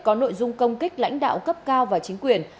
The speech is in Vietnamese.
có nội dung công kích lãnh đạo cấp cao và chính quyền